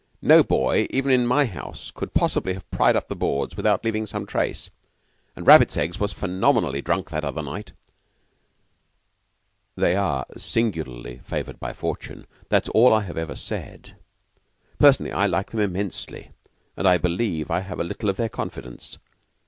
No boy, even in my own house, could possibly have pried up the boards without leaving some trace and Rabbits Eggs was phenomenally drunk that other night." "They are singularly favored by fortune. That is all I ever said. Personally, I like them immensely, and I believe I have a little of their confidence.